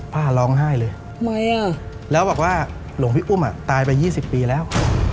ร้องไห้เลยทำไมอ่ะแล้วบอกว่าหลวงพี่อุ้มอ่ะตายไป๒๐ปีแล้ว